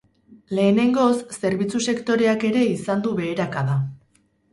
Lehenengoz, zerbitzu-sektoreak ere izan du beherakada.